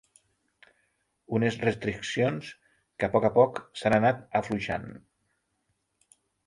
Unes restriccions que a poc a poc s’han anat afluixant.